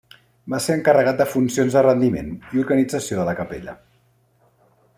Va ser encarregat de funcions de rendiment i organització de la capella.